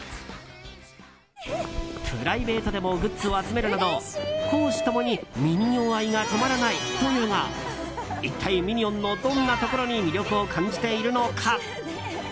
プライベートでもグッズを集めるなど公私共にミニオン愛が止まらないというが一体、ミニオンのどんなところに魅力を感じているのか。